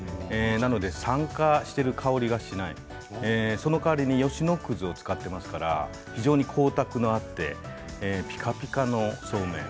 なので酸化している香りがしないその代わりに吉野葛を使っていますから非常に光沢があってピカピカのそうめん。